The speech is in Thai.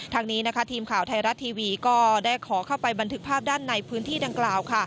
ทางนี้ทีมข่าวไทยรัฐทีวีก็ได้ขอเข้าไปบันทึกภาพด้านในพื้นที่ดังกล่าว